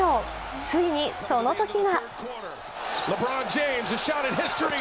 ついに、そのときが。